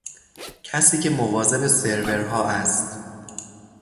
کسی که مواظب سرورها است.